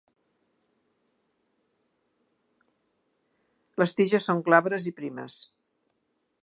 Les tiges són glabres i primes.